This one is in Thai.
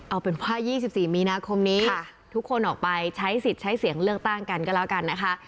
เอาเป็นว่า๒๔มีนาคมนี้ทุกคนออกไปใช้สิทธิ์ใช้เสียงเลือกตั้งกันก็แล้วกันนะคะ